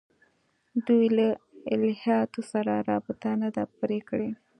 دوی له الهیاتو سره رابطه نه ده پرې کړې.